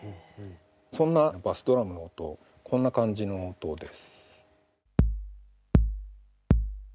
そんなバスドラムの音こんな感じの音です。